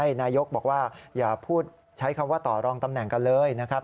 นายกบอกว่าอย่าพูดใช้คำว่าต่อรองตำแหน่งกันเลยนะครับ